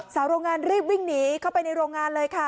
โรงงานรีบวิ่งหนีเข้าไปในโรงงานเลยค่ะ